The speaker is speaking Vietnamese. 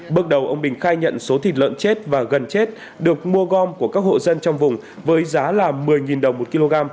bước đầu ông bình khai nhận số thịt lợn chết và gần chết được mua gom của các hộ dân trong vùng với giá là một mươi đồng một kg